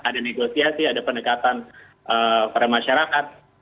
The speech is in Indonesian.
ada negosiasi ada pendekatan pada masyarakat